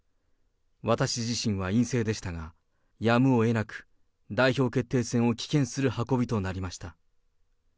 私自身は陰性でしたが、やむをえなく、代表決定戦を棄権する運びとなりました。